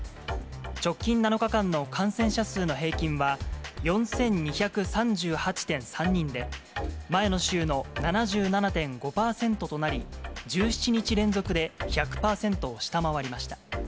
直近７日間の感染者数の平均は４２３８．３人で、前の週の７７．５％となり、１７日連続で１００％を下回りました。